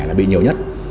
là bị nhiều nhất